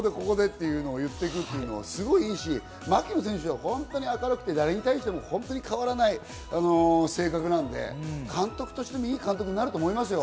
全部自分でここで、ここでっていうのを言っていくのはすごくいいし、槙野選手は本当に明るくて、誰に対しても変わらない性格なので、監督としてもいい監督になると思いますよ。